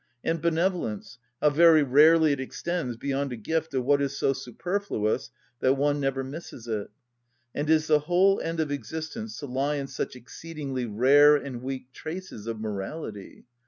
And benevolence, how very rarely it extends beyond a gift of what is so superfluous that one never misses it. And is the whole end of existence to lie in such exceedingly rare and weak traces of morality?